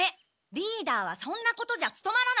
リーダーはそんなことじゃつとまらないんだ。